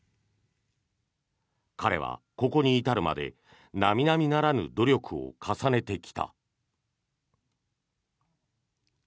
彼はここに至るまで並々ならぬ努力を重ねてきた。